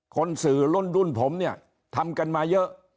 สื่อรุ่นผมเนี่ยทำกันมาเยอะ